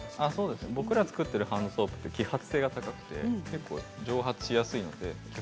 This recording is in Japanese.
僕らが作っているハンドソープは揮発性が高くて蒸発しやすいです。